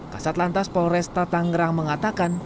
kasat lantas polresta tangerang mengatakan